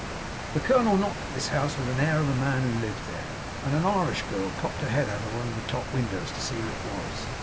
The colonel knocked at this house with the air of a man who lived there; and an Irish girl popped her head out of one of the top windows to see who it was.